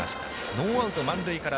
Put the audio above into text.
ノーアウト、満塁から